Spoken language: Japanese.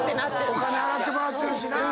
お金払ってもらってるしなぁ。